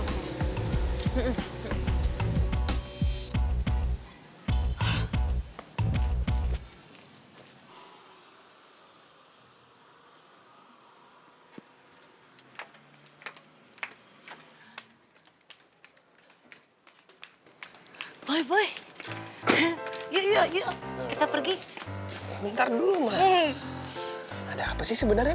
hai boy boy yuk kita pergi minta dulu ada apa sih sebenarnya